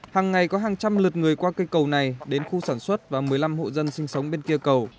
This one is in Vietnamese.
hàng ngày có hàng trăm lượt người qua cây cầu này đến khu sản xuất và một mươi năm hộ dân sinh sống bên kia cầu